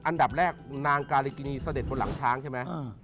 อันดับแรกนางการิกินีเสด็จบนหลังช้างใช่ไหม